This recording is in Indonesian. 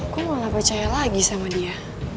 gue malah gak percaya lagi sama dia